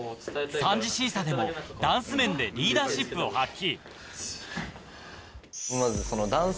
３次審査でもダンス面でリーダーシップを発揮